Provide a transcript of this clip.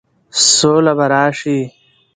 سوله به راشي،